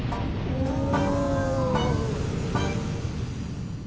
うん？